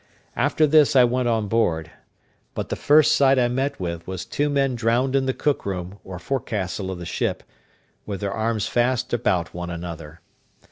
After this I went on board; but the first sight I met with was two men drowned in the cook room, or forecastle of the ship, with their arms fast about one another.